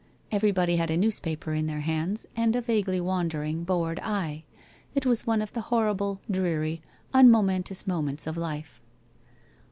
Everybody had a newspaper in their hands and a vaguely wandering bored eye. It was one of the horrible, dreary, unmomentous moments of life.